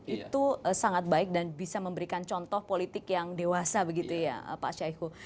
itu sangat baik dan bisa memberikan contoh politik yang dewasa begitu ya pak syaihu